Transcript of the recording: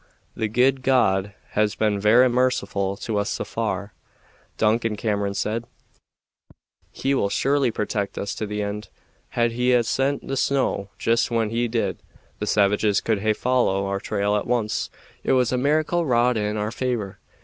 "The guid God has been vera merciful to us sae far," Duncan Cameron said; "he will surely protect us to the end. Had he na sent the snow just when he did, the savages could hae followed our trail at once; it was a miracle wrought in our favor.